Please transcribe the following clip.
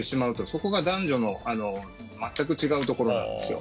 そこが男女の全く違うところなんですよ。